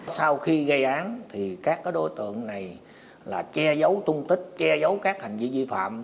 sau khi gây án thì các đối tượng này là che giấu tung tích che giấu các hành vi vi phạm